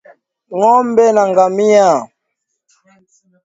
Ng'ombe na ngamia